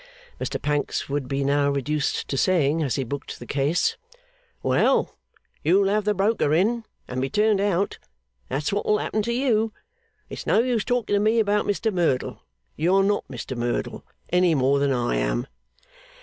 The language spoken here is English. Mr Pancks would be now reduced to saying as he booked the case, 'Well! You'll have the broker in, and be turned out; that's what'll happen to you. It's no use talking to me about Mr Merdle. You are not Mr Merdle, any more than I am.